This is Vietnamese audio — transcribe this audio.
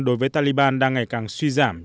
đối với taliban đang ngày càng suy giảm